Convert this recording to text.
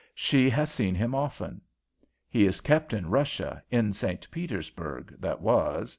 She has seen him often. He is kept in Russia, in St. Petersburg, that was.